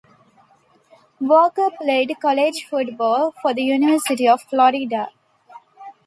Walker played college football for the University of Florida.